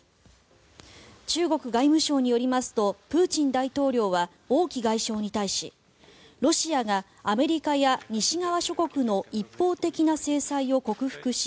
中国外務省によりますとプーチン大統領は王毅外相に対しロシアがアメリカや西側諸国の一方的な制裁を克服し